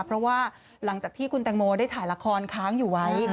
เพราะว่าหลังจากที่คุณแตงโมได้ถ่ายละครค้างอยู่ไว้